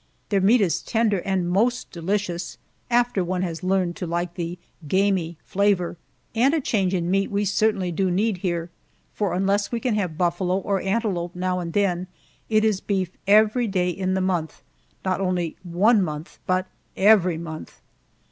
Their meat is tender and most delicious after one has learned to like the "gamey" flavor. And a change in meat we certainly do need here, for unless we can have buffalo or antelope now and then, it is beef every day in the month not only one month, but every month.